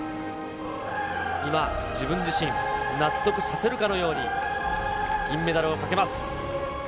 今、自分自身、納得させるかのように、銀メダルをかけます。